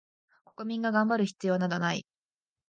国民が頑張る必要などない